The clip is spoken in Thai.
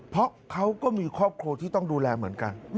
เพราะเขาก็มีครอบครัวที่ต้องดูแลเหมือนกัน